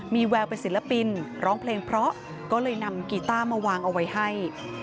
มีแววเป็นศิลปินร้องเพลงเพราะก็เลยนำกีต้ามาวางเอาไว้ให้